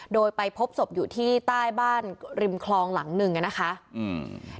โดยไปพบศพอยู่ที่ใต้บ้านริมคลองหลังหนึ่งอ่ะนะคะอืม